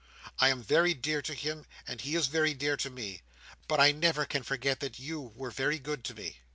I am very dear to him, and he is very dear to me. But I never can forget that you were very good to me.